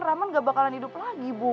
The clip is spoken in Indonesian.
rahman gak bakalan hidup lagi bu